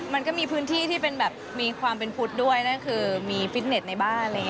มันก็มีพื้นที่ที่มีความเป็นพุธด้วยนี่คือมีฟิตเน็ตในบ้าน